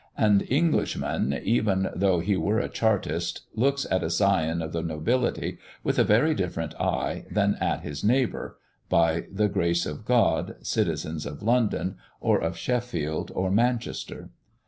An Englishman, even though he were a chartist, looks at a scion of the nobility with a very different eye, than at his neighbour, by the grace of God, citizen of London, or of Sheffield, or Manchester.